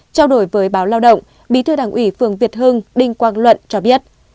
trao đổi với báo lao động bí thư đảng ủy phường việt hưng đinh quang luận cho biết